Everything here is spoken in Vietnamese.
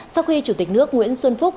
sau khi chủ tịch nước nguyễn xuân phúc